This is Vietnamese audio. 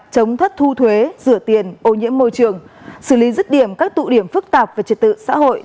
chống thất thu thuế rửa tiền ô nhiễm môi trường xử lý rứt điểm các tụ điểm phức tạp về trật tự xã hội